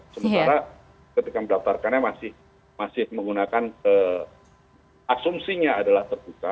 sementara ketika mendaftarkannya masih menggunakan asumsinya adalah terbuka